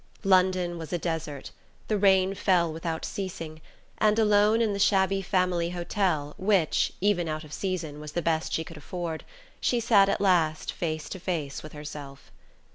London was a desert; the rain fell without ceasing, and alone in the shabby family hotel which, even out of season, was the best she could afford, she sat at last face to face with herself.